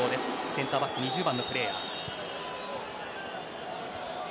センターバック２０番のプレーヤー。